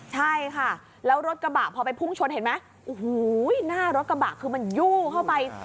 ใช่ค่ะแล้วรถกระบะพอไปพุ่งชนเห็นไหมโอ้โหหน้ารถกระบะคือมันยู่เข้าไป